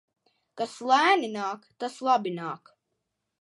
Kas lēni nāk, tas labi nāk.